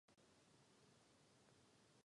Nizozemsko postoupilo do baráže.